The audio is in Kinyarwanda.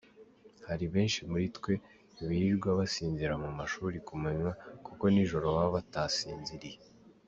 Hari benshi muri twe birirwa basinzirira mu mashuri kumanywa kuko nijoro baba batasinziriye.